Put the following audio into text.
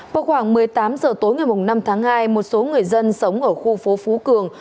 vào khoảng một mươi tám h tối ngày năm tháng hai một số người dân sống ở khu phố phú cường